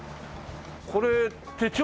これ手帳？